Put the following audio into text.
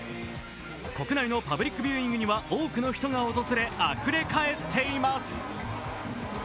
国内のパブリックビューイングには多くの人が訪れ、あふれかえっています。